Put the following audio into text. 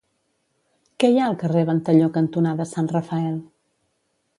Què hi ha al carrer Ventalló cantonada Sant Rafael?